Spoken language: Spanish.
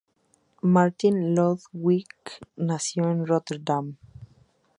Martin Lodewijk nació en Rotterdam.